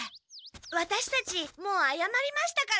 ワタシたちもうあやまりましたから。